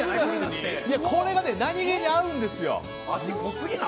これが何気に合うんですよ。